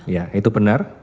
ya itu benar